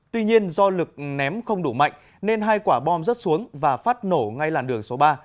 tuy nhiên do lực ném không đủ mạnh nên hai quả bom rớt xuống và phát nổ ngay làn đường số ba